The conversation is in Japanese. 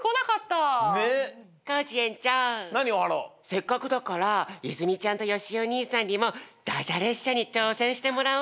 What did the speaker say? せっかくだから泉ちゃんとよしお兄さんにもダジャ列車に挑戦してもらおうよ！